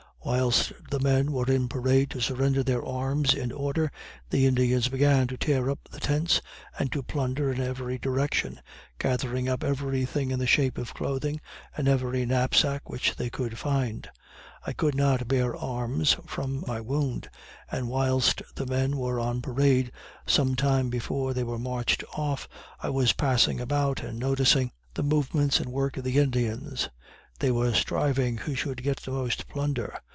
Whilst the men were in parade to surrender their arms in order, the Indians began to tear up the tents and to plunder in every direction gathering up every thing in the shape of clothing, and every knapsack which they could find. I could not bear arms from my wound, and whilst the men were on parade, some time before they were marched off, I was passing about and noticing the movements and work of the Indians. They were striving who should get the most plunder.